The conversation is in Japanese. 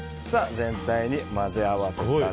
全体に混ぜ合わせたら。